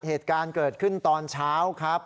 เหตุการณ์เกิดขึ้นตอนเช้าครับ